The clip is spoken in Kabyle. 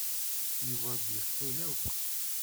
Yuba ur d-yeqqil akk.